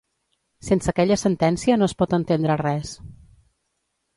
Sense aquella sentència no es pot entendre res.